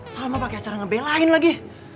salma pake cara ngebelain lagi